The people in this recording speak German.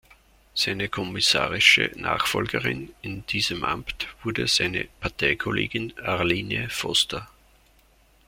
Seine kommissarische Nachfolgerin in diesem Amt wurde seine Parteikollegin Arlene Foster.